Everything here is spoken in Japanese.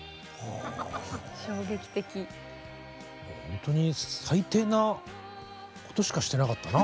ほんとに最低なことしかしてなかったな。